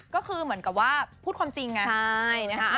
ก็คือเหมือนกับว่าพูดความจริงไง